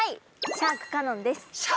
シャーク香音さん。